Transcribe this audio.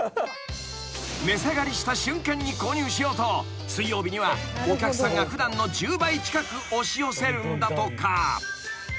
［値下がりした瞬間に購入しようと水曜日にはお客さんが普段の１０倍近く押し寄せるんだとか］